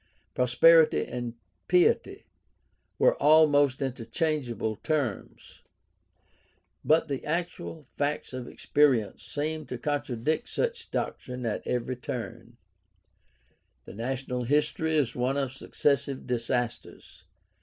Prosperity and piety were almost interchangeable terms. But the actual facts of 154 GUIDE TO STUDY OF CHRISTIAN RELIGION experience seemed to contradict such doctrine at every turn. The national history is one of successive disasters.